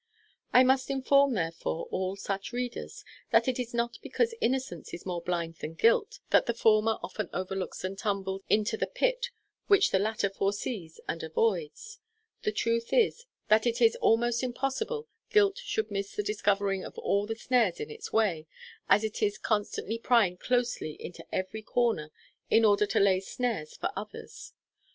I must inform, therefore, all such readers, that it is not because innocence is more blind than guilt that the former often overlooks and tumbles into the pit which the latter foresees and avoids. The truth is, that it is almost impossible guilt should miss the discovering of all the snares in its way, as it is constantly prying closely into every corner in order to lay snares for others.